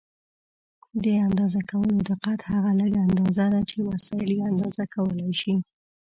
د اندازه کولو دقت هغه لږه اندازه ده چې وسایل یې اندازه کولای شي.